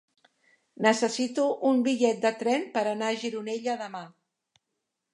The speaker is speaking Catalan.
Necessito un bitllet de tren per anar a Gironella demà.